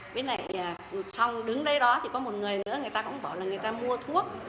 với lại xong đứng đây đó thì có một người nữa người ta cũng bảo là người ta mua thuốc